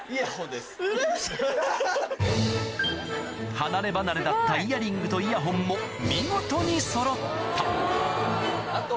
離れ離れだったイヤリングとイヤホンも見事にそろったあと。